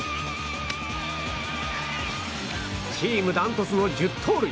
チームダントツの１０盗塁。